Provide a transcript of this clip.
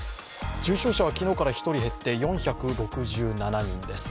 重症者は昨日から１人減って４６７人です。